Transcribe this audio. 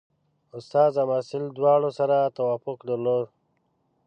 استاد او محصل دواړو سره توافق درلود.